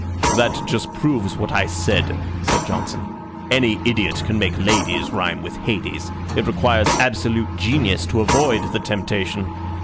"That just proves what I said," said Johnson. "Any idiot can make ladies rhyme with Hades. It requires absolute genius to avoid the temptation.